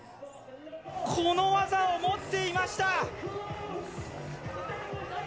この技を持っていました。